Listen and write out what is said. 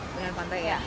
dengan pantai ya